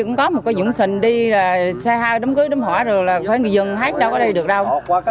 cũng có một cái dụng xình đi xe hao đấm cưới đấm hỏa rồi là phải người dân hát đâu có đi được đâu